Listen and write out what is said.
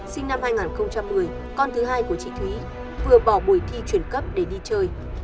sinh năm hai nghìn một mươi con thứ hai của chị thúy vừa bỏ buổi thi chuyển cấp để đi chơi